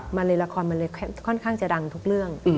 มาในละครมันเลยค่อนข้างจะดังทุกเรื่อง